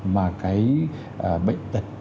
mà cái bệnh tật